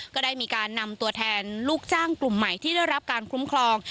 ก็ได้มีการนำตัวแทนลูกจ้างกลุ่มใหม่ที่ได้รับการคุ้มครอง